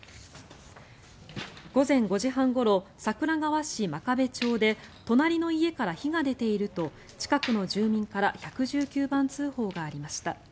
午前５時半ごろ桜川市真壁町で隣の家から火が出ていると近くの住民から１１９番通報がありました。